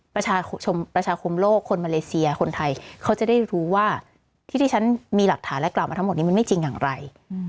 ประชาคมโลกคนมาเลเซียคนไทยเขาจะได้รู้ว่าที่ที่ฉันมีหลักฐานและกล่าวมาทั้งหมดนี้มันไม่จริงอย่างไร